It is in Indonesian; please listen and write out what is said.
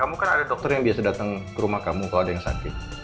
aku mau datang ke rumah kamu kalau ada yang sakit